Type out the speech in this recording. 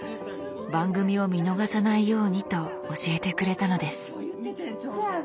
番組を見逃さないようにと教えてくれたのです。